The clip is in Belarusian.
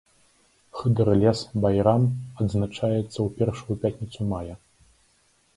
Хыдырлез-байрам адзначаецца ў першую пятніцу мая.